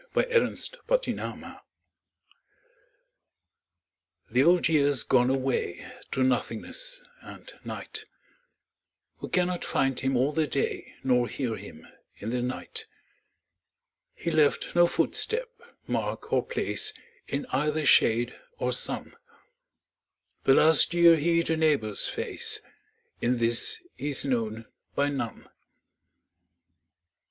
The Old Year The Old Year's gone away To nothingness and night: We cannot find him all the day Nor hear him in the night: He left no footstep, mark or place In either shade or sun: The last year he'd a neighbour's face, In this he's known by none.